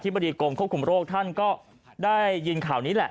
บดีกรมควบคุมโรคท่านก็ได้ยินข่าวนี้แหละ